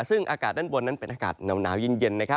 ซึ่งอากาศด้านบนนั้นเป็นอากาศหนาวเย็น